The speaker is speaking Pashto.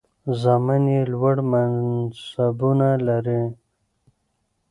زامن یې لوړ منصبونه لري.